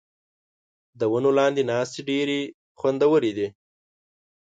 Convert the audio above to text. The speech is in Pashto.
د ونو لاندې ناستې ډېرې خوندورې دي.